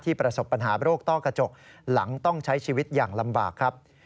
ประสบปัญหาโรคต้อกระจกหลังต้องใช้ชีวิตอย่างลำบากครับ